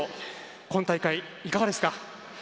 今大会、いかがですか？